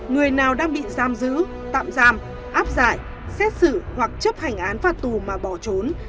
người nào đang bị giam giữ tạm giam áp giải xét xử hoặc chấp hành án phạt tù mà bỏ trốn